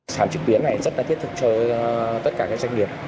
sản trực tuyến này rất là thiết thực cho tất cả các doanh nghiệp